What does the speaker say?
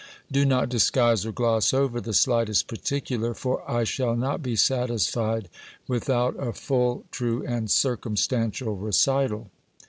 Do not disguise or gloss over the slightest particular, for I shall not be satisfied without a full, true, and circumstantial recital.